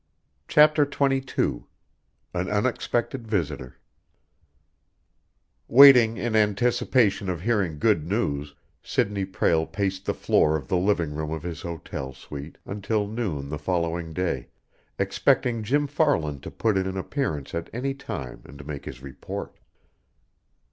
CHAPTER XXII AN UNEXPECTED VISITOR Waiting in anticipation of hearing good news, Sidney Prale paced the floor of the living room of his hotel suite until noon the following day, expecting Jim Farland to put in an appearance at any time and make his report.